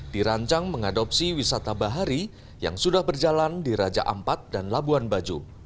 dirancang mengadopsi wisata bahari yang sudah berjalan di raja ampat dan labuan bajo